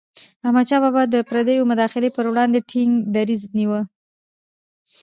احمدشاه بابا به د پردیو مداخلي پر وړاندې ټينګ دریځ نیوه.